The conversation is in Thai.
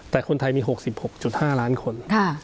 แต่คนไทยมี๖๖๕ล้านคน